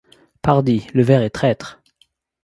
Pardi! le verre est traître.